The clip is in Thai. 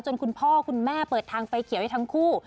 คุณพ่อคุณแม่เปิดทางไฟเขียวให้ทั้งคู่